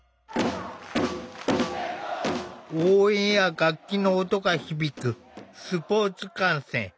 応援や楽器の音が響くスポーツ観戦。